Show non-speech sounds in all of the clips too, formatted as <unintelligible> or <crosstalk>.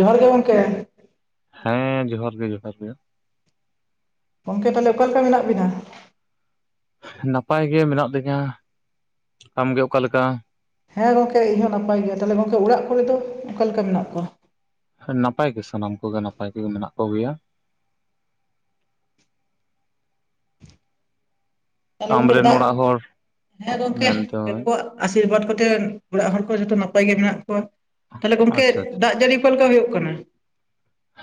ᱡᱚᱦᱟᱨ ᱜᱮ ᱜᱚᱢᱠᱮ ᱾ ᱦᱮᱸ ᱡᱚᱦᱟᱨ ᱜᱮ ᱡᱚᱦᱟᱨ ᱜᱮ ᱾ ᱜᱚᱢᱠᱮ ᱛᱟᱦᱚᱞᱮ ᱚᱠᱟ ᱞᱮᱠᱟ ᱢᱮᱱᱟᱜ ᱵᱤᱱᱟ? ᱱᱟᱯᱟᱭ ᱜᱮ ᱢᱮᱱᱟᱜ ᱞᱤᱧᱟᱹ, ᱟᱢ ᱜᱮ ᱚᱠᱟ ᱞᱮᱠᱟ? ᱦᱮᱸ ᱜᱚᱝᱠᱮ ᱤᱧ ᱦᱚᱸ ᱱᱟᱯᱟᱭ ᱜᱮᱭᱟ, ᱛᱟᱦᱞᱮ ᱜᱚᱝᱠᱮ ᱚᱲᱟᱜ ᱠᱚᱨᱮ ᱫᱚ ᱚᱠᱟ ᱞᱮᱠᱟ ᱢᱮᱱᱟᱜ ᱠᱚᱣᱟ? ᱱᱟᱯᱟᱭ ᱜᱮ ᱥᱟᱱᱟᱢ ᱠᱚᱜᱮ ᱱᱟᱯᱟᱭ ᱜᱮ ᱢᱮᱱᱟᱜ ᱠᱚᱜᱮᱭᱟ ᱾ ᱛᱟᱦᱚᱞᱮ ᱜᱚᱢᱠᱮ ᱟᱢᱨᱮᱱ ᱫᱟᱜ ᱚᱲᱟᱜ ᱦᱚᱲ ᱦᱮᱸ ᱜᱚᱢᱠᱮ ᱢᱮᱱᱫᱟᱹᱧ ᱮᱯᱚᱨ, ᱟᱥᱤᱨᱵᱟᱫᱽ ᱠᱚ ᱛᱮ ᱚᱲᱟᱜ ᱦᱚᱲ ᱠᱚ ᱡᱷᱚᱛᱚ ᱱᱟᱯᱟᱭ ᱜᱮ ᱢᱮᱱᱟᱜ ᱠᱚᱣᱟ, ᱛᱟᱦᱞᱮ ᱜᱚᱝᱠᱮ ᱟᱪᱪᱷᱟ ᱟᱪᱪᱷᱟ ᱫᱟᱜ ᱡᱟᱹᱲᱤ ᱚᱠᱟ ᱞᱮᱠᱟ ᱦᱩᱭᱩᱜ ᱠᱟᱱᱟ?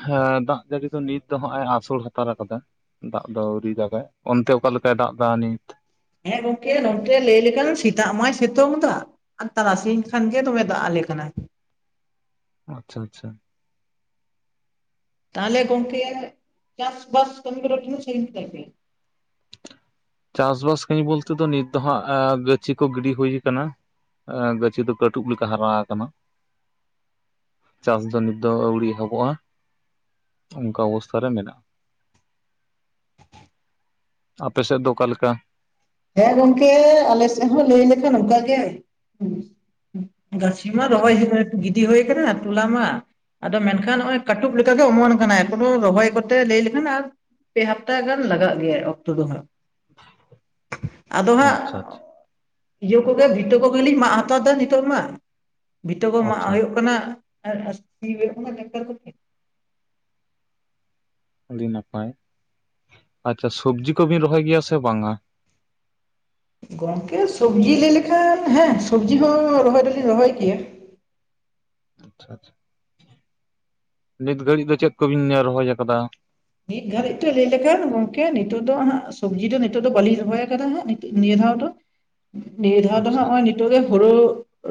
ᱦᱮᱸ ᱫᱟᱜ ᱡᱟᱹᱲᱤ ᱫᱚ ᱱᱤᱛ ᱫᱚ ᱦᱚᱜ-ᱮ ᱟᱥᱳᱲ ᱦᱟᱛᱟᱲ ᱟᱠᱟᱫᱟ ᱾ ᱫᱟᱜ ᱫᱚ ᱟᱹᱣᱨᱤ ᱫᱟᱜᱟᱭ, ᱚᱱᱛᱮ ᱚᱠᱟ ᱞᱮᱠᱟᱭ ᱫᱟᱜ ᱫᱟ ᱱᱤᱛ? ᱦᱮᱸ ᱜᱚᱝᱠᱮ ᱱᱚᱛᱮ ᱞᱟᱹᱭ ᱞᱮᱠᱷᱟᱱ ᱥᱮᱛᱟᱜ ᱢᱟᱭ ᱥᱤᱛᱳᱝ ᱫᱟ, ᱟᱨ ᱛᱟᱨᱟᱥᱤᱧ ᱠᱷᱟᱱ ᱜᱮ ᱫᱚᱢᱮ ᱫᱟᱜ ᱟᱞᱮ ᱠᱟᱱᱟᱭ ᱾ ᱟᱪᱪᱷᱟ ᱟᱪᱪᱷᱟ ᱾ ᱛᱟᱦᱚᱞᱮ ᱜᱚᱝᱠᱮᱭᱟᱜ ᱪᱟᱥ ᱵᱟᱥ ᱠᱟᱹᱢᱤ ᱠᱚᱫᱚ ᱛᱤᱱ ᱥᱟᱹᱜᱤᱧ ᱠᱮᱫᱟ ᱯᱮ? ᱪᱟᱥᱵᱟᱥ ᱠᱟᱹᱢᱤ ᱵᱳᱞᱛᱮ ᱫᱚ ᱱᱤᱛ ᱫᱚ ᱦᱟᱸᱜ ᱜᱟᱹᱪᱷᱤ ᱠᱚ ᱜᱤᱰᱤ ᱦᱩᱭ ᱠᱟᱱᱟ ᱾ ᱟᱹ ᱜᱟᱹᱪᱷᱤ ᱫᱚ ᱠᱟᱹᱴᱩᱵ ᱞᱮᱠᱟ ᱦᱟᱨᱟ ᱟᱠᱟᱱᱟ᱾ ᱪᱟᱥ ᱫᱚ ᱱᱤᱛᱚᱜ ᱦᱚᱸ ᱟᱹᱣᱲᱤ ᱮᱦᱚᱵᱚᱜᱼᱟ ᱚᱱᱠᱟ ᱚᱵᱚᱥᱛᱟ ᱨᱮ ᱢᱮᱱᱟᱜᱼᱟ ᱾ ᱟᱯᱮᱥᱮᱫ ᱫᱚ ᱚᱠᱟᱞᱮᱠᱟ? ᱦᱮᱸ ᱜᱚᱝᱠᱮ ᱟᱞᱮ ᱥᱮᱜ ᱦᱚᱸ ᱞᱟᱹᱭ ᱞᱮᱠᱷᱟᱱ ᱚᱱᱠᱟ ᱜᱮ ᱾ ᱜᱟᱹᱪᱷᱤ ᱢᱟ ᱟᱪᱪᱷᱟ ᱨᱚᱦᱚᱭᱠᱮᱫᱟ ᱜᱤᱫᱤ ᱦᱩᱭ ᱠᱟᱱᱟ ᱛᱚᱞᱟ ᱢᱟ ᱾ ᱟᱫᱚ ᱢᱮᱱᱠᱷᱟᱱ ᱱᱚᱜ-ᱚᱭ ᱠᱟᱹᱴᱩᱵ ᱞᱮᱠᱟᱜᱮ ᱚᱢᱚᱱ ᱟᱠᱟᱱᱟ ᱮᱠᱷᱚᱱᱚ ᱨᱚᱦᱚᱭ ᱠᱚᱛᱮ ᱞᱟᱹᱭ ᱞᱮᱠᱷᱟᱱ ᱟᱨ ᱯᱮ ᱦᱟᱯᱛᱟ ᱜᱟᱱ ᱞᱟᱜᱟᱜ ᱜᱮᱭᱟ ᱚᱠᱛᱚ ᱫᱚ ᱦᱟᱸᱜ, ᱟᱫᱚ ᱦᱟᱸᱜ ᱟᱪᱪᱷᱟ ᱟᱪᱪᱷᱟ ᱤᱭᱟᱹ ᱠᱚᱜᱮ ᱵᱷᱤᱴᱟᱹ ᱠᱚᱜᱮᱞᱤᱧ ᱢᱟᱜ ᱦᱟᱛᱟᱲ ᱫᱟ ᱱᱤᱛᱚᱜ ᱢᱟ, ᱵᱷᱤᱛᱟᱹ ᱠᱚ ᱢᱟᱜ ᱟᱪᱪᱷᱟ ᱦᱩᱭᱩᱜ ᱠᱟᱱᱟ ᱦᱩᱭᱩᱜ ᱠᱟᱱᱟ <unintelligible> ᱟᱹᱰᱤ ᱱᱟᱯᱟᱭ, ᱟᱪᱪᱷᱟ ᱥᱚᱵᱽᱡᱤ ᱠᱚ ᱵᱤᱱ ᱨᱚᱦᱚᱭ ᱜᱮᱭᱟ ᱥᱮ ᱵᱟᱝᱟ? ᱜᱚᱢᱠᱮ ᱥᱚᱵᱡᱤ ᱞᱟᱹᱭ ᱞᱮᱠᱷᱟᱱ ᱦᱮᱸ ᱥᱚᱵᱽᱡᱤ ᱦᱚᱸ ᱨᱚᱦᱚᱭ ᱫᱚᱞᱤᱧ ᱨᱚᱦᱚᱭ ᱜᱮᱭᱟ ᱾ ᱟᱪᱪᱷᱟ, ᱱᱤᱛ ᱜᱷᱟᱹᱲᱤ ᱫᱚ ᱪᱮᱫ ᱠᱚᱵᱤᱱ ᱨᱚᱦᱚᱭ ᱟᱠᱟᱫᱟ? ᱱᱤᱜ ᱜᱷᱟᱹᱲᱤᱡ ᱛᱮ ᱞᱟᱹᱭ ᱞᱮᱠᱷᱟᱱ ᱜᱚᱝᱠᱮ ᱱᱤᱛᱚᱜ ᱫᱚ ᱦᱟᱸᱜ ᱥᱚᱵᱽᱡᱤ ᱫᱚ ᱱᱤᱛᱚᱜ ᱫᱚ ᱵᱟᱹᱞᱤᱧ ᱨᱚᱦᱚᱭ ᱟᱠᱟᱫᱟ ᱦᱟᱸᱜ ᱾ ᱱᱤᱭᱟᱹ ᱫᱷᱟᱣ ᱫᱚ ᱱᱤᱭᱟᱹ ᱫᱷᱟᱣ ᱟᱪᱪᱷᱟ ᱦᱚᱸᱜ-ᱚᱭ ᱛᱳᱨᱮ ᱦᱳᱲᱳ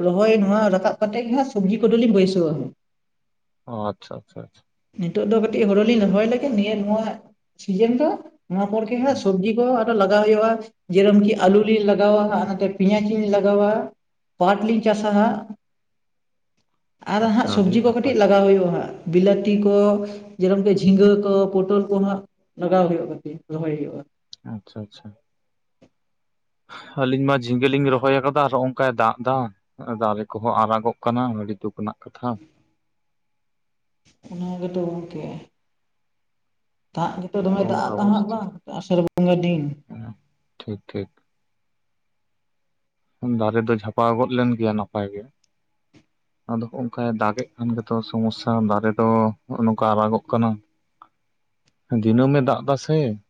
ᱨᱚᱦᱚᱭ ᱱᱚᱣᱟ ᱨᱟᱠᱟᱵ ᱠᱟᱛᱮ ᱜᱮ ᱦᱟᱸᱜ ᱥᱚᱵᱽᱡᱤ ᱠᱚᱫᱚᱞᱤᱧ ᱵᱟᱹᱭᱥᱟᱹᱣᱟ ᱾ ᱚ ᱟᱪᱷᱟ ᱟᱪᱷᱟ ᱟᱪᱷᱟ ᱾ ᱱᱤᱛᱚᱜ ᱫᱚ ᱠᱟᱹᱴᱤᱜ ᱦᱳᱲᱳ ᱞᱤᱧ ᱨᱚᱦᱚᱭ ᱞᱮᱜᱮ ᱱᱤᱭᱟᱹ ᱱᱚᱣᱟ ᱥᱤᱡᱮᱱ ᱫᱚ ᱱᱚᱣᱟ ᱯᱚ ᱠᱮᱸ ᱟᱪᱪᱷᱟ ᱦᱟᱸᱜ‌ ᱥᱚᱵᱽᱡᱤ ᱠᱚ ᱞᱟᱜᱟᱣ ᱦᱩᱭᱩᱜᱼᱟ ᱡᱮᱨᱚᱢ ᱠᱤ ᱟᱹᱞᱩ ᱞᱤᱧ ᱞᱟᱜᱟᱣᱟ ᱦᱟᱸᱜᱼᱟ ᱱᱚᱛᱮ ᱯᱮᱸᱭᱟᱡᱽ ᱞᱤᱧ ᱞᱟᱜᱟᱣᱟ ᱾ ᱯᱟᱴᱷ ᱞᱤᱧ ᱪᱟᱥᱟ, ᱟᱨ ᱟᱪᱪᱷᱟ ᱦᱟᱸᱜ ᱟᱹᱰᱤ ᱥᱚᱵᱽᱡᱤ ᱠᱚ ᱱᱟᱯᱟᱭ ᱠᱟᱹᱴᱤᱜ ᱞᱟᱜᱟᱣ ᱦᱩᱭᱩᱜᱼᱟ ᱦᱟᱸᱜ ᱵᱤᱞᱟᱹᱛᱤ ᱠᱚ ᱡᱮᱨᱚᱠᱚᱢᱠᱤ ᱡᱷᱤᱸᱝᱜᱟᱹ ᱛᱳ ᱯᱳᱴᱳᱞ ᱠᱚ ᱦᱟᱸᱟ ᱞᱟᱜᱟᱣ ᱦᱩᱭᱩᱜ-ᱟ ᱠᱟᱴᱤᱜ ᱨᱚᱦᱚᱭ ᱦᱩᱭᱩᱜᱼᱟ ᱾ ᱟᱪᱪᱷᱟ ᱟᱪᱪᱷᱟ ᱾ ᱟᱹᱞᱤᱧ ᱢᱟ ᱡᱷᱤᱸᱝᱜᱟᱹ ᱞᱤᱧ ᱨᱚᱦᱚᱭ ᱟᱠᱟᱫᱟ ᱟᱨ ᱦᱚᱸᱜ-ᱚᱱᱠᱟᱭ ᱫᱟᱜ ᱫᱟ ᱾ ᱫᱟᱨᱮ ᱠᱚᱦᱚᱸ ᱟᱨᱟᱜᱚᱜ ᱠᱟᱱᱟ ᱟᱹᱰᱤ ᱫᱩᱠ ᱨᱮᱱᱟᱜ ᱠᱟᱛᱷᱟ ᱾ ᱚᱱᱟ ᱜᱮᱛᱚ ᱜᱚᱝᱠᱮ ᱾ ᱫᱟᱜ ᱜᱮᱛᱚ ᱫᱚᱢᱮ ᱚᱱᱠᱟ ᱫᱟᱜᱼᱟᱜ ᱠᱟᱸᱦᱟᱜ ᱚᱵᱚᱥᱛᱷᱟ ᱵᱟᱝ ᱟᱥᱟᱲ ᱵᱚᱸᱜᱟ ᱫᱤᱱ ᱾ ᱴᱷᱤᱠ ᱴᱷᱤᱠ ᱫᱟᱨᱮ ᱫᱚ ᱡᱷᱟᱯᱟ ᱜᱚᱫ ᱞᱮᱱ ᱜᱮᱭᱟ ᱱᱟᱯᱟᱭ ᱜᱮ ᱾ ᱟᱫᱚ ᱚᱝᱠᱟᱭ ᱫᱟᱜ ᱮᱫ ᱠᱟᱱ ᱜᱮᱛᱚ ᱥᱚᱢᱚᱥᱥᱟ ᱫᱟᱨᱮ ᱱᱚᱼᱚᱱᱚᱝᱠᱟ ᱟᱨᱟᱜᱚᱜ ᱠᱟᱱᱟ ᱾ <inaudible> ᱫᱱᱟᱹᱢ ᱜᱮ ᱫᱟᱜ ᱮᱫᱟ ᱥᱮ ᱾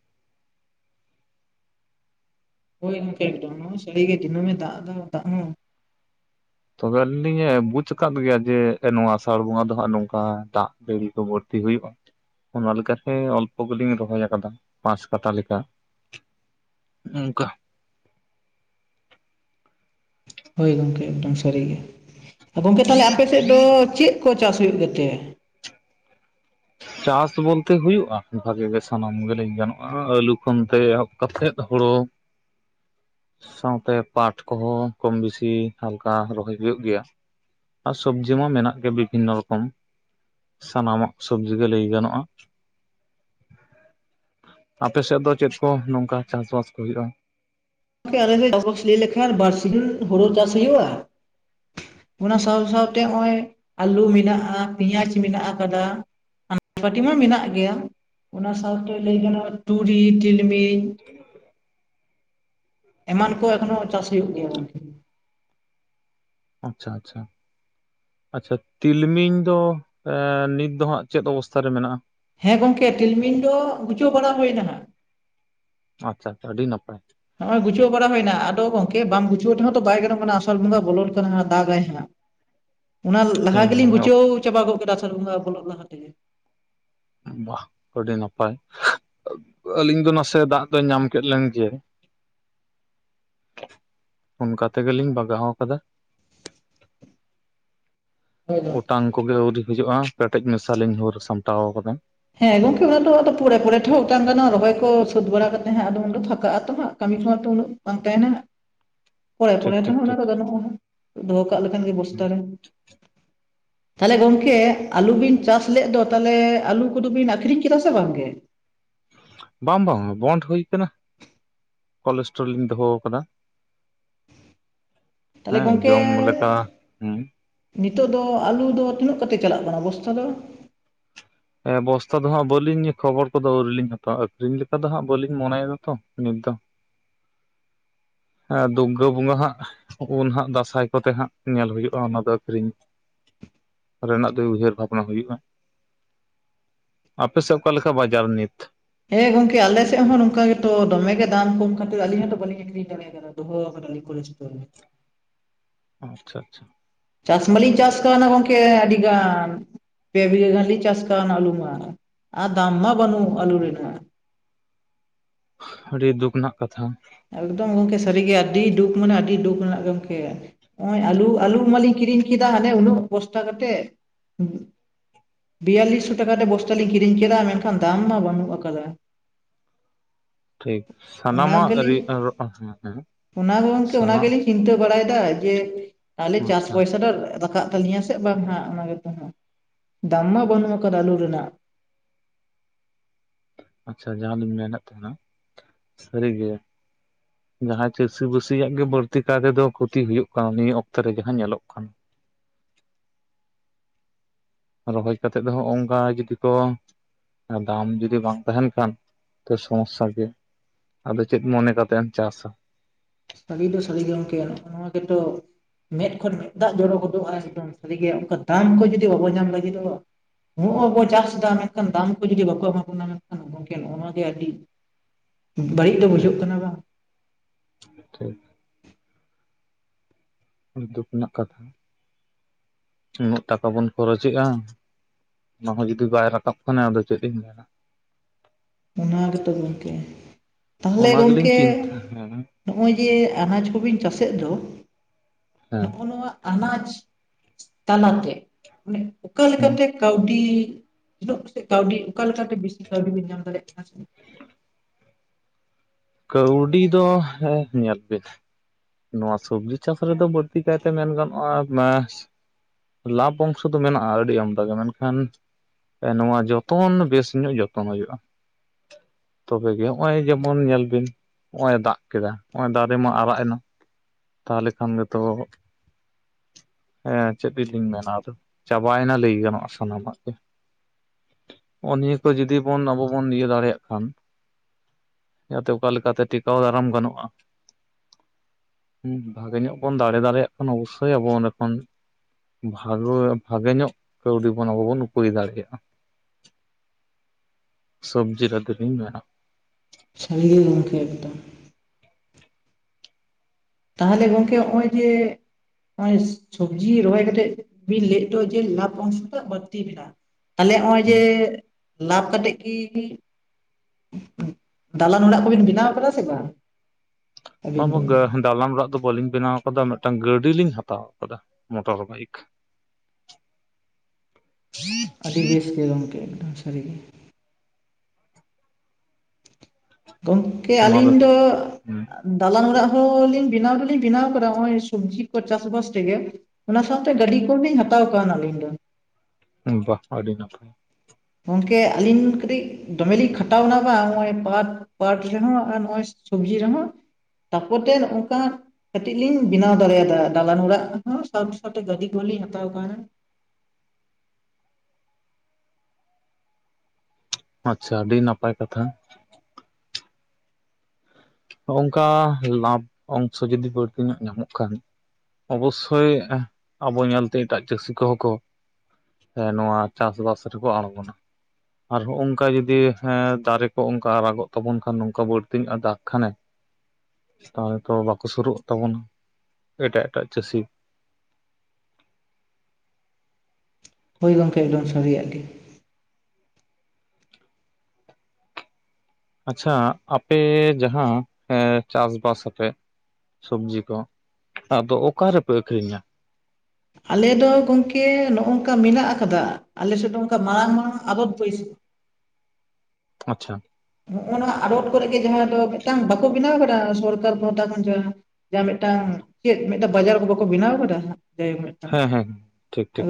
ᱦᱳᱭ ᱜᱚᱝᱠᱮ <inaudible> ᱥᱟᱹᱨᱤ ᱜᱮ ᱫᱤᱱᱟᱹᱢ ᱮ ᱫᱟᱜ ᱮᱫᱟ ᱫᱟᱜ ᱦᱚᱸ ᱾ ᱛᱚᱵᱮ ᱟᱹᱞᱤᱧ ᱞᱤᱧ ᱵᱩᱡ ᱟᱠᱟᱫ ᱜᱮᱭᱟ ᱡᱮ ᱱᱚᱣᱟ ᱟᱥᱟᱲ ᱵᱚᱸᱜᱟ ᱫᱚ ᱦᱟᱸᱜ ᱱᱚᱝᱠᱟ ᱫᱟᱜ ᱡᱟᱹᱲᱤ ᱠᱚ ᱴᱷᱤᱠ ᱦᱩᱭᱩᱜ-ᱟ, ᱚᱱᱟ ᱞᱮᱠᱟᱛᱮ ᱚᱞᱯᱚ ᱜᱮᱞᱤᱧ ᱨᱚᱦᱚᱭ ᱟᱠᱟᱫᱟ ᱯᱟᱸᱪ ᱠᱟᱴᱷᱟ ᱞᱮᱠᱟ ᱾ ᱚᱝᱠᱟ ᱦᱳᱭ ᱜᱚᱢᱠᱮ ᱮᱠᱫᱚᱢ ᱥᱟᱹᱨᱤ ᱜᱮ, ᱜᱚᱢᱠᱮ ᱛᱟᱦᱚᱞᱮ ᱟᱯᱮ ᱥᱮᱫ ᱫᱚ ᱪᱮᱫ ᱠᱚ ᱪᱟᱥ ᱦᱩᱭᱩᱜ ᱜᱮᱛᱮ? ᱪᱟᱥ ᱵᱚᱞᱛᱮ ᱦᱩᱭᱩᱜ-ᱟ ᱵᱷᱟᱜᱮ ᱜᱮ ᱥᱟᱱᱟᱢ ᱜᱮ ᱞᱟᱹᱭ ᱜᱟᱱᱚᱜ-ᱟ ᱟᱹᱞᱩ ᱠᱷᱚᱱᱛᱮ ᱮᱦᱚᱵ ᱠᱟᱛᱮᱫ ᱦᱳᱲᱳ ᱥᱟᱶᱛᱮ ᱯᱟᱴ ᱠᱚᱦᱚᱸ ᱠᱚᱢ ᱵᱮᱥᱤ ᱦᱟᱞᱠᱟ ᱨᱚᱦᱚᱭ ᱦᱩᱭᱩᱜ ᱜᱮᱭᱟ ᱾ ᱟᱨ ᱥᱚᱵᱽᱡᱤ ᱢᱟ ᱢᱮᱱᱟᱜ ᱜᱮ ᱵᱤᱵᱷᱤᱱᱱᱚ ᱨᱚᱠᱚᱢ ᱥᱟᱱᱟᱢᱟᱜ ᱥᱚᱵᱽᱡᱤᱜᱮ ᱞᱟᱹᱭ ᱜᱟᱱᱚᱜ-ᱟ ᱾ ᱟᱯᱮ ᱥᱮᱫ ᱫᱚ ᱪᱮᱫ ᱠᱚ ᱱᱚᱝᱠᱟ ᱪᱟᱥᱵᱟᱥ ᱠᱚ ᱦᱩᱭᱩᱜ-ᱟ? ᱟᱞᱮ ᱪᱟᱥᱵᱟᱥ ᱞᱟᱹᱭ ᱞᱮᱠᱷᱟᱱ ᱵᱟᱨᱥᱤᱧ ᱦᱩᱲᱩ ᱪᱟᱥ ᱦᱩᱭᱩᱜ-ᱟ ᱾ ᱚᱱᱟ ᱥᱟᱶ ᱥᱟᱶᱛᱮ ᱱᱚᱜ-ᱚᱭ ᱟᱹᱞᱩ ᱢᱮᱱᱟᱜ-ᱟ ᱯᱮᱸᱭᱟᱡᱽ ᱢᱮᱱᱟᱜ ᱟᱠᱟᱫᱟ ᱾ ᱯᱟᱴᱤ ᱢᱟ ᱢᱮᱱᱟᱜ ᱜᱮᱭᱟ ᱚᱱᱟ ᱥᱟᱶᱛᱮ ᱞᱟᱹᱭ ᱜᱟᱱᱚᱜ-ᱟ ᱛᱩᱲᱤ, ᱛᱤᱞᱢᱤᱧ ᱾ ᱮᱢᱟᱱ ᱠᱚ ᱮᱠᱷᱚᱱᱚ ᱪᱟᱥ ᱦᱩᱭᱩᱜ ᱜᱮᱭᱟ ᱜᱚᱝᱠᱮ ᱾ ᱟᱪᱪᱷᱟ ᱟᱪᱪᱷᱟ ᱟᱪᱪᱷᱟ ᱛᱤᱞᱢᱤᱧ ᱫᱚ ᱱᱤᱛ ᱫᱚ ᱦᱟᱸᱜ ᱪᱮᱫ ᱚᱵᱚᱥᱛᱛᱟ ᱨᱮ ᱢᱮᱱᱟᱜ-ᱟ? ᱦᱮᱸ ᱜᱚᱢᱠᱮ ᱛᱤᱞᱢᱤᱧ ᱫᱚ ᱜᱩᱪᱷᱟᱹᱣ ᱵᱟᱲᱟ ᱦᱩᱭ ᱱᱟ ᱦᱟᱸᱜ ᱾ ᱟᱪᱪᱷᱟ ᱟᱪᱪᱷᱟ ᱟᱹᱰᱤ ᱱᱟᱯᱟᱭ ᱾ ᱱᱚᱜ-ᱚᱭ ᱜᱩᱪᱷᱟᱹ ᱵᱟᱲᱟ ᱦᱩᱭᱱᱟ ᱟᱫᱚ ᱜᱚᱝᱠᱮ ᱵᱟᱢ ᱜᱩᱪᱷᱟᱹᱣ ᱛᱮᱦᱚᱸ ᱵᱟᱭ ᱜᱟᱱᱚᱜ ᱠᱟᱱᱟ ᱟᱥᱟᱲ ᱵᱚᱸᱜᱟ ᱵᱚᱞᱚᱱ ᱠᱟᱱᱟ ᱦᱟᱸᱜ ᱫᱟᱜᱟᱭ ᱦᱟᱸᱜ ᱾ ᱚᱱᱟ ᱞᱟᱦᱟ ᱦᱮᱸ ᱜᱮᱞᱤᱧ ᱜᱩᱪᱷᱟᱹᱣ ᱦᱮᱸ ᱪᱟᱵᱟ ᱜᱚᱫ ᱠᱮᱫᱟ ᱟᱥᱟᱲ ᱵᱚᱸᱜᱟ ᱵᱚᱞᱚᱜ ᱞᱟᱦᱟ ᱛᱮᱜᱮ ᱾ ᱵᱟᱦᱽ ᱟᱹᱰᱤ ᱱᱟᱯᱟᱭ ᱾ ᱟᱞᱤᱧ ᱫᱚ ᱱᱟᱥᱮ ᱫᱟᱜ ᱫᱚ ᱧᱟᱢ ᱠᱮᱫ ᱞᱤᱧ ᱜᱮᱭᱟ ᱾ ᱚᱱᱠᱟ ᱛᱮᱜᱮᱞᱤᱧ ᱵᱟᱜᱟᱣ ᱠᱟᱫᱟ ᱾ ᱦᱳᱭ ᱜᱚᱝᱠᱮ ᱚᱴᱟᱝ ᱠᱚᱜᱮ ᱟᱹᱣᱨᱤ ᱦᱩᱭᱩᱜ-ᱟ ᱯᱮᱴᱮᱡᱽ ᱢᱮᱥᱟᱞᱤᱧ ᱦᱟᱹᱨ ᱥᱟᱢᱴᱟᱣ ᱠᱟᱫᱟ ᱾ ᱦᱮᱸ ᱜᱚᱢᱠᱮ ᱚᱱᱟ ᱫᱚ ᱚᱱᱟ ᱫᱚ ᱟᱫᱚ ᱯᱚᱨᱮ ᱯᱚᱨᱮᱛᱮ ᱦᱚᱸ ᱚᱴᱟᱝ ᱜᱟᱱᱚᱜ-ᱟ ᱨᱚᱦᱚᱭ ᱠᱚ ᱥᱟᱹᱛ ᱵᱟᱲᱟ ᱠᱟᱛᱮᱫ ᱦᱟᱸᱜ ᱟᱫᱚ ᱩᱱ ᱫᱚ ᱯᱷᱟᱠᱟᱜ ᱟᱛᱚ ᱦᱟᱸᱜ ᱾ ᱠᱟᱹᱢᱤ ᱠᱚᱦᱚᱸ ᱛᱚ ᱩᱱᱟᱹᱜ ᱵᱟᱝ ᱛᱟᱸᱦᱮᱱᱟ ᱾ ᱯᱚᱨᱮ ᱯᱚᱨᱮ ᱴᱷᱤᱠ ᱴᱷᱤᱠ ᱛᱮᱦᱚᱸ ᱚᱱᱟ ᱴᱷᱤᱠ ᱫᱚ ᱜᱟᱱᱚᱜ-ᱟ ᱦᱟᱸᱜ ᱫᱚᱦᱚ ᱠᱟᱜ ᱞᱮᱠᱷᱟᱱ ᱜᱮ ᱵᱚᱥᱛᱟ ᱨᱮ ᱾ ᱛᱟᱦᱚᱞᱮ ᱜᱚᱝᱠᱮ ᱟᱞᱩ ᱵᱤᱱ ᱪᱟᱥ ᱞᱮᱫ ᱫᱚ ᱛᱟᱦᱚᱞᱮ ᱟᱞᱩ ᱠᱩᱫᱚ ᱵᱤᱱ ᱟᱠᱷᱨᱤᱧ ᱠᱮᱫᱟ ᱥᱮ ᱵᱟᱝᱜᱮ? ᱵᱟᱝ ᱵᱟᱝ ᱵᱚᱱᱰ ᱦᱩᱭ ᱠᱟᱱᱟ ᱠᱚᱞᱮᱥᱴᱨᱚᱞ ᱤᱧ ᱫᱚᱦᱚ ᱟᱠᱟᱫᱟ ᱾ ᱛᱟᱦᱚᱞᱮ ᱦᱮᱸ ᱜᱚᱝᱠᱮ ᱡᱚᱢ ᱞᱮᱠᱟ ᱦᱮᱸ ᱱᱤᱛᱚᱜ ᱫᱚ ᱟᱞᱩ ᱫᱚ ᱛᱤᱱᱟᱹᱜ ᱠᱟᱛᱮᱫ ᱪᱟᱞᱟᱜ ᱠᱟᱱᱟ ᱵᱚᱥᱛᱟ ᱫᱚ? ᱵᱚᱥᱛᱟ ᱫᱚᱦᱟᱜ ᱵᱟᱹᱞᱤᱧ ᱠᱷᱚᱵᱚᱨ ᱠᱚᱫᱚ ᱟᱹᱣᱨᱤ ᱞᱤᱧ ᱦᱟᱛᱟᱣᱟ ᱟᱹ‌ᱠᱷᱨᱤᱧ ᱞᱮᱠᱟ ᱫᱚ ᱦᱟᱸᱜ ᱵᱟᱹᱞᱤᱧ ᱢᱚᱱᱮᱭᱮᱫᱟ ᱛᱚ ᱱᱤᱛ ᱫᱚ ᱾ ᱫᱩᱜᱜᱟᱹ ᱵᱚᱸᱜᱟ ᱦᱟᱸᱜ ᱩᱱ ᱦᱟᱸᱜ ᱫᱟᱸᱥᱟᱭ ᱠᱚᱛᱮ ᱦᱟᱸᱜ ᱧᱮᱞ ᱦᱩᱭᱩᱜ-ᱟ ᱚᱱᱟ ᱫᱚ ᱟᱹᱠᱷᱨᱤᱧ ᱨᱮᱱᱟᱜ ᱫᱚ ᱩᱭᱦᱟᱹᱨ ᱵᱷᱟᱵᱽᱱᱟ ᱦᱩᱭᱩᱜ-ᱟ ᱾ ᱟᱯᱮᱥᱮᱫ ᱚᱠᱟ ᱞᱮᱠᱟ ᱵᱟᱡᱟᱨ ᱱᱤᱛ? ᱦᱮᱸ ᱜᱚᱝᱠᱮ ᱟᱞᱮ ᱥᱮᱜ ᱦᱚᱸ ᱱᱚᱝᱠᱟ ᱜᱮᱛᱚ ᱫᱚᱢᱮ ᱜᱮ ᱫᱟᱢ ᱠᱚᱢ ᱠᱷᱟᱹᱛᱤᱨ ᱟᱹᱞᱤᱧ ᱦᱚᱸᱛᱚ ᱵᱟᱞᱤᱧ ᱟᱹᱠᱷᱨᱤᱧ ᱫᱟᱲᱮᱭᱟᱫᱟ ᱾ ᱫᱚᱦᱚ ᱟᱠᱟᱫᱟᱞᱤᱧ ᱠᱚᱞᱮᱥᱴᱨᱚᱞ ᱨᱮ ᱾ ᱟᱪᱪᱷᱟ ᱟᱪᱪᱷᱟ ᱪᱟᱥ ᱢᱟᱞᱤᱧ ᱪᱟᱥ ᱠᱟᱱᱟ ᱜᱚᱢᱠᱮ ᱟᱹᱰᱤᱜᱟᱱ, ᱯᱮ ᱵᱤᱜᱷᱟᱹ ᱜᱟᱱ ᱞᱤᱧ ᱪᱟᱥ ᱠᱟᱣᱱᱟ ᱟᱞᱩ ᱢᱟ ᱾ ᱟᱨ ᱫᱟᱢ ᱢᱟ ᱵᱟᱹᱱᱩᱜ ᱟᱞᱩ ᱨᱮᱱᱟᱜ ᱾ ᱟᱹᱰᱤ ᱫᱩᱠ ᱨᱮᱱᱟᱜ ᱠᱟᱛᱷᱟ ᱾ ᱮᱠᱫᱚᱢ ᱜᱚᱢᱠᱮ ᱥᱟᱹᱨᱤᱜᱮ ᱟᱹᱰᱤ ᱰᱩᱠ ᱢᱟᱱᱮ ᱟᱹᱰᱤ ᱰᱩᱠ ᱨᱮᱱᱟᱜ ᱜᱚᱢᱠᱮ ᱚᱜ-ᱚᱭ ᱟᱞᱩ ᱟᱞᱩ ᱢᱟᱞᱤᱧ ᱠᱤᱨᱤᱧ ᱠᱤᱫᱟ ᱦᱟᱱᱮ ᱩᱱᱟᱹᱜ ᱵᱚᱥᱛᱟ ᱠᱟᱛᱮᱫ ᱵᱤᱭᱟᱞᱞᱤᱥ ᱥᱚ ᱴᱟᱠᱟ ᱛᱮ ᱵᱚᱥᱛᱟ ᱞᱤᱧ ᱠᱤᱨᱤᱧ ᱠᱮᱫᱟ ᱢᱮᱱᱠᱷᱟᱱ ᱫᱟᱢ ᱢᱟ ᱵᱟᱹᱱᱩᱜ ᱟᱠᱟᱫᱟ ᱴᱷᱤᱠ ᱚᱱᱟ ᱥᱟᱱᱟᱢᱟᱜ ᱜᱮᱞᱤᱧ <unintelligible> ᱚᱱᱟ ᱜᱚᱝᱠᱮ ᱚᱱᱟ ᱥᱟᱱᱟ ᱜᱮᱞᱤᱧ ᱪᱤᱱᱛᱟᱹ ᱵᱟᱲᱟᱭ ᱫᱟ ᱡᱮ ᱟᱞᱮ ᱪᱟᱥ ᱟᱪᱪᱷᱟ ᱯᱚᱭᱥᱟ ᱫᱚ ᱨᱟᱠᱟᱜ ᱛᱟᱞᱤᱧᱟ ᱥᱮᱫ ᱵᱟᱝ ᱦᱟᱸᱜ ᱚᱱᱟ ᱜᱮᱛ ᱦᱟᱸᱜ, ᱫᱟᱢ ᱢᱟ ᱵᱟᱹᱱᱩᱜ ᱟᱠᱟᱫᱟ ᱟᱹᱞᱩ ᱨᱮᱱᱟᱜ ᱟᱪᱪᱷᱟ ᱡᱟᱦᱟᱸᱞᱤᱧ ᱢᱮᱱᱮᱫ ᱛᱟᱦᱮᱱᱟ ᱥᱟᱹᱨᱤᱜᱮ ᱡᱟᱦᱟᱸᱭ ᱪᱟᱹᱥᱤ ᱵᱟᱹᱥᱤᱭᱟᱜ ᱜᱮ ᱵᱟᱹᱲᱛᱤ ᱠᱟᱭ ᱛᱮ ᱫᱚ ᱠᱷᱚᱛᱤ ᱦᱩᱭᱩᱜ ᱠᱟᱱᱟ ᱱᱤᱭᱟᱹ ᱚᱠᱛᱚ ᱨᱮ ᱡᱟᱦᱟᱸ ᱧᱮᱞᱚᱜ ᱠᱟᱱᱟ ᱨᱚᱦᱚᱭ ᱠᱟᱛᱮᱫ ᱦᱚᱸᱜ ᱚᱝᱠᱟ ᱡᱩᱫᱤ ᱠᱚ ᱟᱨ ᱫᱟᱢ ᱡᱩᱫᱤ ᱵᱟᱝ ᱛᱟᱦᱮᱱ ᱠᱷᱟᱱ ᱥᱚᱢᱚᱥᱥᱟ ᱜᱮ ᱟᱫᱚ ᱪᱮᱫ ᱢᱚᱱᱮ ᱠᱟᱛᱮᱜ ᱮᱢ ᱪᱟᱥ-ᱟ ᱥᱟᱹᱨᱤ ᱫᱚ ᱥᱟᱹᱨᱤ ᱜᱮ ᱜᱚᱝᱠᱮ ᱱᱚᱜᱼᱚ ᱱᱚᱣᱟ ᱜᱮᱛᱚ ᱢᱮᱫ ᱠᱷᱚᱱ ᱢᱮᱫ ᱫᱟᱜ ᱡᱚᱨᱚ ᱜᱚᱫᱚᱜᱼᱟ ᱮᱠᱫᱚᱢ ᱥᱟᱹᱨᱤᱜᱮ ᱚᱱᱠᱟ ᱫᱟᱢ ᱠᱚ ᱡᱩᱫᱤ ᱵᱟᱵᱚ ᱧᱟᱢ ᱞᱟᱹᱜᱤᱫᱚᱜᱼᱟ ᱱᱚᱜ-ᱚ ᱵᱚ ᱪᱟᱥ ᱫᱟ ᱢᱮᱱᱠᱷᱟᱱ ᱫᱟᱢ ᱠᱚ ᱡᱩᱫᱤ ᱵᱟᱠᱚ ᱮᱢᱟ ᱵᱚᱱᱟ ᱢᱮᱱᱠᱷᱟᱱ ᱜᱚᱝᱠᱮ ᱱᱚᱜ ᱱᱟᱣᱟ ᱜᱮ ᱟᱹᱰᱤ ᱵᱟᱹᱲᱤᱡ ᱫᱚ ᱵᱩᱡᱷᱟᱹᱜ ᱠᱟᱱᱟ ᱵᱟᱝ ᱴᱷᱤᱠ ᱫᱩᱠ ᱨᱮᱱᱟᱜ ᱠᱟᱛᱷᱟ ᱩᱱᱟᱹᱜ ᱴᱟᱠᱟ ᱵᱚᱱ ᱠᱷᱚᱨᱚᱪ ᱮᱜᱼᱟ ᱚᱱᱟ ᱦᱚᱸ ᱡᱩᱫᱤ ᱵᱟᱭ ᱨᱟᱠᱟᱵ ᱠᱷᱟᱱ ᱟᱫᱚ ᱪᱮᱫ ᱤᱧ ᱢᱮᱱᱟ ᱚᱱᱟ ᱜᱮᱛᱚ ᱜᱚᱝᱠᱮ ᱛᱟᱦᱞᱮ ᱚᱱᱟ ᱜᱮᱞᱤᱧ ᱜᱚᱝᱠᱮ ᱪᱤᱱᱛᱟᱹ ᱦᱮᱸ ᱱᱚᱜᱼᱚᱭ ᱡᱮ ᱟᱱᱟᱡᱽ ᱠᱚᱵᱤᱱ ᱪᱟᱥ ᱮᱫ ᱫᱚ ᱱᱚᱜᱼᱚ ᱦᱮᱸ ᱱᱚᱣᱟ ᱟᱱᱟᱡᱽ ᱛᱟᱞᱟᱛᱮ ᱢᱟᱱᱮ ᱚᱠᱟ ᱞᱮᱠᱟᱛᱮ ᱠᱟᱹᱣᱰᱤ ᱩᱱᱟᱹᱜ ᱯᱟᱥᱮᱜ ᱠᱟᱹᱣᱰᱤ ᱚᱠᱟ ᱞᱮᱠᱟᱛᱮ ᱵᱮᱥᱤ ᱠᱟᱹᱣᱰᱤ ᱵᱤᱱ ᱧᱟᱢ ᱫᱟᱲᱮᱭᱟᱜ ᱠᱟᱱᱟ ᱥᱮ ᱠᱟᱹᱣᱰᱤ ᱫᱚ ᱦᱮᱸ ᱧᱮᱞ ᱯᱮ ᱱᱚᱣᱟ ᱥᱚᱵᱡᱤ ᱪᱟᱥ ᱨᱮᱫᱚ ᱛᱤ ᱠᱟᱭᱛᱮ ᱢᱮᱱ ᱜᱟᱱᱚᱜᱼᱟ ᱢᱟᱥ ᱞᱟᱵᱷ ᱚᱝᱥᱚ ᱫᱚ ᱢᱮᱱᱟᱜᱼᱟ ᱟᱹᱰᱤ ᱟᱢᱫᱟ ᱜᱮ ᱢᱮᱱᱠᱷᱟᱱ ᱱᱚᱣᱟ ᱡᱚᱛᱚᱱ ᱵᱮᱥ ᱧᱚᱜ ᱡᱚᱛᱚᱱ ᱦᱩᱭᱩᱜᱼᱟ ᱛᱚᱵᱮᱜᱮ ᱱᱚᱜᱼᱚᱭ ᱡᱮᱢᱚᱱ ᱧᱮᱞ ᱵᱤᱱ ᱦᱚᱭ-ᱫᱟᱜ ᱠᱮᱫᱟ ᱱᱚᱜᱼᱚᱭ ᱫᱟᱨᱮ ᱢᱟ ᱟᱨᱟᱜ ᱮᱱᱟ ᱛᱟᱦᱚᱞᱮ ᱠᱷᱟᱱ ᱜᱮᱛᱚ ᱦᱮᱸ ᱪᱮᱫ ᱜᱮ ᱞᱤᱧ ᱢᱮᱱᱟ ᱟᱫᱚ ᱪᱟᱵᱟᱭᱮᱱᱟ ᱞᱟᱹᱭ ᱜᱟᱱᱚᱜᱼᱟ ᱥᱟᱱᱟᱢᱟᱜ ᱜᱮ ᱚ ᱱᱤᱭᱟᱹ ᱠᱚ ᱡᱚᱫᱤ ᱵᱚᱱ ᱟᱵᱚ ᱵᱚᱱ ᱤᱭᱟᱹ ᱫᱟᱲᱮᱭᱟᱜ ᱠᱷᱟᱱ ᱡᱟᱛᱮ ᱚᱠᱟ ᱞᱮᱠᱟᱛᱮ ᱴᱤᱠᱟᱣ ᱫᱟᱨᱟᱢ ᱜᱟᱱᱚᱜᱼᱟ ᱵᱷᱟᱜᱮ ᱧᱚᱜ ᱵᱚᱱ ᱫᱟᱲᱮ ᱫᱟᱲᱮᱭᱟᱜ ᱠᱟᱱᱟ ᱚᱵᱚᱥᱥᱳᱭ ᱟᱵᱚ ᱚᱸᱰᱮ ᱠᱷᱚᱱ ᱵᱷᱟᱜᱳᱯ ᱵᱷᱟᱜᱮ ᱧᱚᱜ ᱠᱟᱹᱣᱰᱤ ᱵᱚᱱ ᱟᱵᱚ ᱵᱚᱱ ᱩᱯᱟᱹᱭ ᱫᱟᱲᱮᱭᱟᱜᱼᱟ ᱥᱚᱵᱽᱡᱤ ᱨᱮᱫᱚ ᱞᱤᱧ ᱢᱮᱱᱟ ᱥᱟᱨᱤᱜᱮ <unintelligible> ᱛᱟᱦᱮᱞᱮ ᱜᱚᱝᱠᱮ ᱱᱚᱜᱼᱚᱭ ᱡᱮ ᱱᱚᱜᱚᱭ ᱥᱚᱵᱡᱤ ᱨᱚᱦᱚᱭ ᱠᱟᱛᱮᱜ ᱵᱤᱱ ᱞᱟᱹᱭ ᱫᱚ ᱡᱮ ᱞᱟᱵᱷ ᱚᱝᱥᱚ ᱫᱚ ᱵᱟᱹᱲᱛᱤ ᱢᱮᱱᱟᱜᱼᱟ ᱛᱟᱞᱮ ᱚᱜᱼᱚᱭ ᱡᱮ ᱞᱟᱵᱷ ᱠᱟᱛᱮᱫ ᱠᱤ ᱫᱟᱞᱟᱱ ᱚᱲᱟᱜ ᱠᱚᱵᱤᱱ ᱵᱮᱱᱟᱣ ᱟᱠᱟᱫᱟ ᱥᱮ ᱵᱟᱝ? ᱵᱟ ᱟᱹᱵᱤᱱ ᱫᱚ ᱵᱟᱝ ᱫᱟᱞᱟᱱ ᱚᱲᱟᱜ ᱫᱚ ᱵᱟᱹᱞᱤᱧ ᱵᱮᱱᱟᱣ ᱟᱠᱟᱫᱟ ᱢᱤᱫᱴᱟᱝ ᱜᱟᱹᱰᱤ ᱞᱤᱧ ᱦᱟᱛᱟᱣ ᱠᱟᱫᱟ ᱢᱚᱴᱚᱨ ᱵᱟᱭᱤᱠ ᱟᱹᱰᱤ ᱵᱮᱥ ᱜᱮ ᱜᱚᱢᱠᱮ ᱮᱠᱫᱚᱢ ᱥᱟᱹᱨᱤᱜᱮ ᱜᱚᱝᱠᱮ ᱟᱹᱞᱤᱧ ᱫᱚ ᱫᱟᱞᱟᱱ ᱚᱲᱟᱜ ᱦᱚᱸᱞᱤᱧ ᱵᱮᱱᱟᱣ ᱫᱚᱞᱤᱧ ᱵᱮᱱᱟᱣ ᱠᱟᱫᱟ ᱱᱚᱜ ᱚᱭ ᱥᱚᱵᱡᱤ ᱠᱚ ᱪᱟᱥ ᱵᱟᱥ ᱛᱮᱜᱮ ᱚᱱᱟ ᱥᱟᱶᱛᱮ ᱜᱟᱹᱰᱤ ᱠᱚᱦᱚᱸ ᱞᱤᱧ ᱦᱟᱛᱟᱣ ᱠᱟᱣᱱᱟ ᱟᱹᱞᱤᱧ ᱫᱚ ᱵᱟᱦ ᱟᱹᱰᱤ ᱱᱟᱯᱟᱭ ᱜᱚᱝᱠᱮ ᱟᱹᱞᱤᱧ ᱠᱟᱹᱴᱤᱡ ᱫᱚᱢᱮ ᱞᱤᱧ ᱠᱷᱟᱴᱟᱣᱱᱟ ᱵᱟᱝ ᱱᱚᱜᱼᱚᱭ ᱯᱟᱴ ᱯᱟᱴ ᱨᱮᱦᱚᱸ ᱱᱚᱜᱚᱭ ᱥᱚᱵᱡᱤ ᱨᱮᱦᱚᱸ ᱛᱟᱯᱚᱨᱮ ᱚᱚᱜᱚᱝᱠᱟ ᱠᱟᱹᱴᱤᱡ ᱞᱤᱧ ᱵᱤᱱᱟᱣ ᱫᱟᱲᱮᱭᱟᱫᱟ ᱫᱟᱞᱟᱱ ᱚᱲᱟᱜ ᱦᱚᱸ ᱥᱟᱶᱛᱮ ᱥᱟᱶᱛᱮ ᱜᱟᱹᱰᱤ ᱠᱚ ᱦᱚᱸ ᱞᱤᱧ ᱦᱟᱛᱟᱣ ᱠᱟᱣᱱᱟ ᱟᱪᱪᱷᱟ ᱟᱹᱰᱤ ᱱᱟᱯᱟᱭ ᱠᱟᱛᱷᱟ ᱚᱱᱠᱟ ᱞᱟᱵᱷ ᱚᱝᱥᱚ ᱡᱚᱫᱤ ᱵᱟᱹᱲᱛᱤ ᱧᱚᱜ ᱧᱟᱢᱚᱜ ᱠᱷᱟᱱ᱾ ᱚᱵᱚᱥᱥᱳᱭ ᱟᱵᱚ ᱧᱮᱞᱛᱮ ᱮᱴᱟᱜ ᱪᱟᱹᱥᱤ ᱠᱚᱦᱚᱸ ᱠᱚᱼᱼ ᱮ ᱱᱚᱣᱟ ᱪᱟᱥ ᱵᱟᱥ ᱨᱮᱠᱚ ᱟᱲᱜᱳᱱᱟ᱾ ᱟᱨ ᱦᱚᱜ ᱚᱝᱠᱟ ᱡᱩᱫᱤ ᱦᱮ ᱫᱟᱨᱮ ᱠᱚ ᱚᱱᱠᱟ ᱟᱨᱟᱜᱚᱜ ᱛᱟᱵᱚᱱ ᱠᱷᱟᱱ ᱱᱚᱝᱠᱟ ᱵᱟᱹᱲᱛᱤ ᱧᱚᱜ ᱮ ᱫᱟᱜ ᱼᱼ ᱠᱷᱟᱱᱮ <unintelligible> ᱵᱟᱠᱚ ᱥᱩᱨᱩᱜ ᱛᱟᱵᱚᱱ ᱮᱴᱟᱜ ᱮᱴᱟᱜ ᱪᱟᱹᱥᱤ᱾ ᱦᱚᱭ ᱜᱚᱝᱠᱮ ᱮᱠᱚᱢ ᱥᱟᱹᱨᱤᱭᱟᱜ ᱜᱮ᱾ ᱟᱪᱪᱷᱟ ᱟᱯᱮ ᱡᱟᱦᱟᱸ ᱪᱟᱥ ᱵᱟᱥ ᱟᱯᱮ? ᱥᱚᱵᱽᱡᱤ ᱠᱚ ᱟᱫᱚ ᱚᱠᱟ ᱨᱮᱯᱮ ᱟᱹᱠᱷᱨᱤᱧᱟ? ᱟᱞᱮ ᱰᱚ ᱜᱚᱝᱠᱮ ᱱᱚᱜᱼᱚ ᱱᱚᱝᱠᱟ ᱢᱮᱱᱟᱜ ᱟᱠᱟᱫᱟ᱾ ᱟᱞᱮ ᱥᱮᱫ ᱫᱚ ᱚᱱᱠᱟ ᱢᱟᱲᱟᱝ ᱢᱟᱲᱟᱝ ᱟᱵᱚᱫᱽ ᱵᱟᱹᱭᱥᱟᱹᱼᱼ ᱟᱪᱪᱷᱟ᱾ ᱱᱚᱜᱼᱚ ᱱᱚᱣᱟ ᱟᱲᱚᱴ ᱠᱚᱨᱮᱜ ᱜᱮ ᱡᱟᱦᱟᱸ ᱫᱚ ᱢᱤᱫᱴᱟᱝ ᱵᱟᱠᱚ ᱵᱮᱱᱟᱣ ᱟᱠᱟᱰᱟ ᱥᱚᱨᱠᱟᱨ? <unintelligible> ᱢᱤᱫᱴᱟᱝ ᱪᱮᱜ ᱢᱤᱫᱴᱟᱝ ᱵᱟᱡᱟᱨ ᱠᱚ ᱵᱟᱠᱚ ᱵᱮᱱᱟᱣ ᱟᱠᱟᱫᱟ? ᱡᱟᱭᱦᱳᱠ ᱢᱮᱫᱴᱟᱝ ᱦᱮᱸ ᱦᱮᱸ ᱴᱷᱤᱠ ᱴᱷᱤᱠ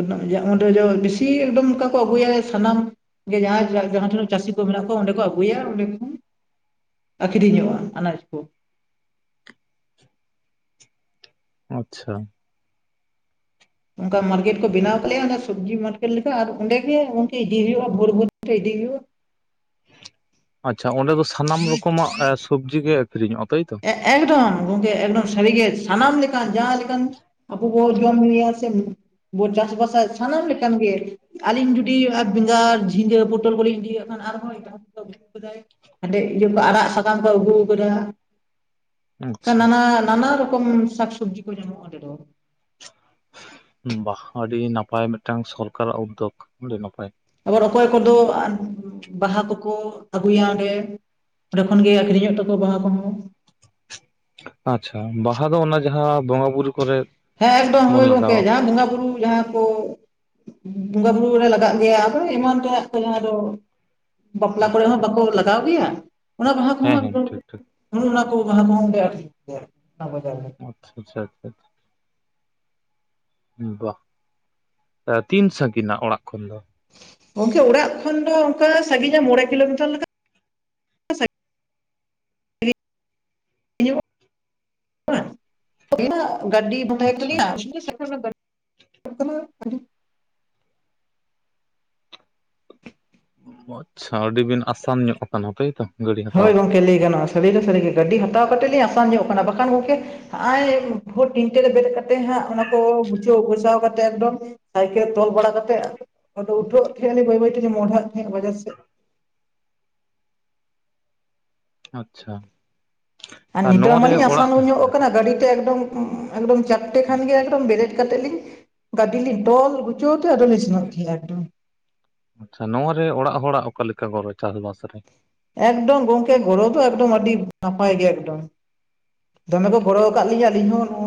<unintelligible> ᱵᱮᱥᱤ ᱮᱠᱰᱚᱢ ᱚᱱᱠᱟ ᱠᱚ ᱟᱹᱜᱩᱭᱟ ᱥᱟᱱᱟᱢ? <unintelligible> ᱡᱟᱦᱟᱸᱭ ᱡᱟᱦᱟᱸ ᱴᱷᱮᱱᱟᱜ ᱪᱟᱹᱥᱤ ᱠᱚ ᱢᱮᱱᱟᱜ ᱠᱚᱣᱟ ᱚᱸᱰᱮ ᱠᱚ ᱟᱜᱩᱼᱼ <unintelligible> ᱟᱹᱠᱷᱨᱤᱧᱚᱜᱼᱟ ᱟᱱᱟᱡ ᱠᱚ᱾ ᱟᱪᱪᱷᱟ᱾ ᱚᱱᱠᱟ ᱢᱟᱨᱠᱮᱴ ᱠᱚ ᱵᱮᱱᱟᱣ ᱟᱠᱟᱜ ᱞᱮᱭᱟ ᱚᱱᱟ ᱥᱚᱵᱽᱡᱤ ᱢᱟᱨᱠᱮᱴ ᱞᱮᱠᱟ ᱟᱨ ᱚᱸᱰᱮᱜ ᱜᱮ ᱜᱚᱝᱠᱮ ᱤᱫᱤ ᱦᱩᱭᱩᱜᱼᱟ, ᱵᱷᱳᱨ ᱵᱷᱳᱨ ᱛᱮ ᱤᱫᱤ ᱦᱩᱭᱩᱜᱼᱟ᱾ ᱟᱪᱪᱷᱟ ᱚᱸᱰᱮ ᱫᱚ ᱥᱟᱱᱟᱢ ᱨᱚᱠᱚᱢᱟᱜ ᱥᱚᱵᱡᱤ ᱜᱮ ᱟᱠᱷᱨᱤᱧᱚᱜᱼᱟ ᱛᱟᱹᱭᱛᱚ᱾ ᱮᱠᱰᱚᱢ ᱜᱚᱝᱠᱮ ᱮᱠᱰᱚᱢ ᱥᱟᱹᱨᱤᱜᱮ ᱥᱟᱱᱟᱢ ᱞᱮᱠᱟᱱ ᱡᱟᱦᱟᱸ ᱞᱮᱠᱟᱱ ᱼᱼ ᱟᱵᱚ ᱵᱚ ᱡᱚᱢ ᱧᱩᱭᱟ ᱥᱮ ᱵᱚ ᱪᱟᱥ ᱵᱟᱥᱟ ᱥᱟᱱᱟᱢ ᱞᱮᱠᱟᱱ ᱜᱮ᱾ ᱟᱹᱞᱤᱧ ᱡᱩᱰᱤ ᱵᱮᱸᱜᱟᱲ ᱡᱷᱤᱸᱜᱟᱹ ᱯᱚᱴᱚᱞ ᱠᱚ ᱞᱤᱧ ᱤᱫᱤ ᱠᱟᱜ ᱠᱷᱟᱱ ᱟᱨᱦᱚᱸ ᱮᱴᱟᱜ ᱦᱟᱸᱰᱮ ᱤᱭᱟᱹ ᱠᱚ ᱟᱨᱟᱜ ᱥᱟᱠᱟᱢ ᱠᱚ ᱟᱹᱜᱩ ᱟᱠᱟᱰᱟ᱾ ᱚᱱᱠᱟ ᱟᱪᱪᱷᱟ ᱱᱟᱱᱟ ᱱᱟᱱᱟ ᱨᱚᱠᱚᱢ ᱥᱟᱠ ᱥᱚᱵᱽᱡᱤ ᱠᱚ ᱧᱟᱢᱚᱜᱼᱟ ᱚᱸᱰᱮ ᱰᱚ᱾ ᱵᱟᱦ ᱟᱹᱰᱤ ᱱᱟᱯᱟᱭ ᱢᱤᱫᱴᱟᱝ ᱥᱚᱨᱠᱟᱨᱟᱜ ᱩᱫᱽᱫᱚᱜ ᱟᱹᱰᱤ ᱱᱟᱯᱟᱭ᱾ ᱟᱵᱟᱨ ᱚᱠᱚᱭ ᱠᱚᱫᱚ ᱵᱟᱦᱟ ᱠᱚᱠᱚ ᱟᱹᱜᱩᱭᱟ ᱚᱸᱰᱮ᱾ ᱚᱰᱮ ᱠᱷᱚᱱ ᱜᱮ ᱟᱹᱠᱷᱨᱤᱧᱚᱜ ᱛᱟᱠᱚᱣᱟ ᱵᱟᱦᱟ ᱠᱚᱦᱚᱸ᱾ ᱟᱪᱪᱷᱟ ᱵᱟᱦᱟ ᱫᱚ ᱚᱱᱟ ᱡᱟᱦᱟᱸ ᱵᱚᱸᱜᱟ ᱵᱩᱨᱩ ᱠᱚᱨᱮᱜ? ᱦᱮᱸ ᱮᱠᱰᱚᱢ ᱦᱳᱭ ᱜᱚᱝᱠᱮ ᱡᱟᱦᱟᱸ ᱵᱚᱸᱜᱟ ᱵᱩᱨᱩ ᱡᱟᱦᱟᱸ ᱠᱚ? ᱵᱚᱸᱜᱟ ᱵᱩᱨᱩ ᱨᱮ ᱞᱟᱜᱟᱜ ᱜᱮᱭᱟ ᱟᱫᱚ ᱮᱢᱟᱱ ᱛᱮᱭᱟᱜ ᱠᱚ ᱡᱟᱦᱟᱸ ᱫᱚᱼᱼ ᱵᱟᱯᱞᱟ ᱠᱚᱨᱮ ᱦᱚᱸ ᱵᱟᱠᱚ ᱞᱟᱜᱟᱣ ᱜᱮᱭᱟ, ᱚᱱᱟ ᱵᱟᱦᱟ ᱦᱮᱸ ᱠᱚᱦᱚᱸ ᱦᱮᱸ ᱴᱷᱤᱠ ᱴᱷᱤᱠ <unintelligible> ᱚᱱᱼᱚᱱᱟ ᱠᱚ ᱵᱟᱦᱟ ᱠᱚ <unintelligible> ᱚᱱᱟ ᱵᱟᱡᱟᱨ ᱨᱮ᱾ ᱟᱪᱪᱷᱟ ᱟᱪᱪᱷᱟ ᱟᱪᱪᱷᱟ᱾ ᱵᱟᱦ ᱛᱤᱱ ᱥᱟᱺᱜᱤᱱᱟ ᱚᱲᱟᱜ ᱠᱷᱚᱱ ᱫᱚ? ᱜᱚᱝᱠᱮ ᱚᱲᱟᱜ ᱠᱷᱚᱱ ᱰᱚ ᱚᱱᱠᱟ ᱥᱟᱺᱜᱤᱧᱟ ᱢᱚᱬᱮ ᱠᱤᱞᱳᱢᱤᱴᱟᱨ ᱞᱮᱠᱟ᱾ <unintelligible> <unintelligible> ᱜᱟᱰᱤ ᱟᱪᱪᱷᱟ <unintelligible> <unintelligible> <unintelligible> ᱟᱪᱪᱷᱟ ᱟᱹᱰᱤ ᱵᱤᱱ ᱟᱥᱟᱱ ᱧᱚᱜ ᱟᱠᱟᱱᱟ ᱛᱟᱹᱭᱛᱚ᱾ ᱦᱳᱭ ᱜᱚᱝᱠᱮ ᱞᱟᱹᱭ ᱜᱟᱱᱚᱜᱼᱟ ᱥᱟᱹᱨᱤ ᱫᱚ ᱥᱟᱹᱨᱤ ᱜᱮ, ᱜᱟᱹᱰᱤ ᱦᱟᱛᱟᱣ ᱠᱟᱛᱮᱜ ᱞᱤᱧ ᱟᱥᱟᱱ ᱧᱚᱜ ᱠᱟᱱᱟ ᱵᱟᱠᱷᱟᱱ ᱜᱚᱝᱠᱮ? ᱦᱟᱜ ᱟᱭ ᱵᱷᱳᱨ ᱛᱤᱱᱴᱮ ᱨᱮ ᱵᱮᱨᱮᱜ ᱠᱟᱛᱮ ᱦᱟᱸᱜ ᱚᱱᱟ ᱠᱚ ᱜᱩᱪᱟᱹᱣ ᱯᱷᱟᱨᱪᱟᱣ ᱠᱟᱛᱮ ᱮᱠᱰᱚᱢᱼᱼ ᱥᱟᱭᱠᱮᱞ ᱛᱚᱞ ᱵᱟᱲᱟ ᱠᱟᱛᱮᱜ ᱚᱸᱰᱮ ᱩᱴᱷᱟᱹᱜ ᱛᱟᱦᱮᱸᱱᱟᱞᱤᱧ ᱵᱟᱹᱭ ᱵᱟᱹᱭ ᱛᱮᱞᱤᱧ ᱢᱚᱰᱷᱟᱜ ᱛᱟᱦᱮᱸᱜ ᱵᱟᱡᱟᱨ ᱥᱮᱫ᱾ ᱟᱪᱪᱷᱟ ᱾ ᱟᱨ ᱱᱤᱛᱚᱜ ᱢᱟᱞᱤᱧ ᱟᱥᱟᱱ ᱧᱚᱜ ᱟᱠᱟᱱᱟ ᱜᱟᱹᱰᱤ ᱛᱮ ᱮᱠᱰᱚᱢᱼᱮᱠᱰᱚᱢ ᱪᱟᱴᱴᱮ ᱠᱷᱟᱱ ᱜᱮ ᱮᱠᱫᱚᱢ ᱵᱮᱨᱮᱫ ᱼᱼ ᱠᱟᱛᱮᱫ ᱞᱤᱧ ᱜᱟᱹᱰᱤ ᱞᱤᱧ ᱛᱚᱞ ᱜᱩᱪᱟᱹᱣ ᱛᱮ ᱟᱫᱚᱞᱤᱧ ᱥᱮᱱᱚᱜ ᱜᱮᱭᱟ ᱮᱠᱫᱚᱢ᱾ ᱟᱪᱪᱷᱟ ᱱᱚᱣᱟ ᱨᱮ ᱚᱲᱟᱜ ᱦᱚᱲᱟᱜ ᱚᱠᱟ ᱞᱮᱠᱟ ᱜᱚᱲᱚ ᱪᱟᱥ ᱵᱟᱥ ᱨᱮ? ᱮᱠᱰᱚᱢ ᱜᱚᱝᱠᱮ ᱜᱚᱲᱚ ᱫᱚ ᱮᱠᱰᱚᱢ ᱟᱹᱰᱤ ᱱᱟᱯᱟᱭ ᱜᱮ ᱮᱠᱰᱚᱢ᱾ ᱫᱚᱢᱮ ᱠᱚ ᱜᱚᱲᱚ ᱟᱠᱟᱫ ᱞᱤᱧᱟᱹ ᱟᱹᱞᱤᱧ ᱦᱚᱸ ᱱᱚᱜᱼᱚᱭ ᱾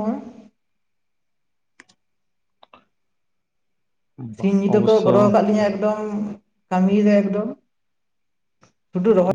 ᱵᱟ, ᱥᱤᱧ ᱧᱤᱫᱟᱹ ᱠᱚ ᱚᱵᱚᱥᱥᱚ ᱜᱚᱨᱚ ᱟᱠᱟᱫ ᱞᱤᱧᱟᱹ ᱮᱠᱰᱚᱢ ᱾ ᱠᱟᱹᱢᱤ ᱨᱮ <unintelligible> ᱮᱠᱰᱚᱢ <unintelligible> ᱨᱚᱦ <unintelligible>